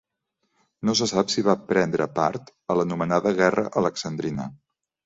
No se sap si va prendre part a l'anomenada guerra alexandrina.